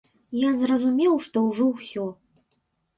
Я зразумеў, што ўжо ўсё.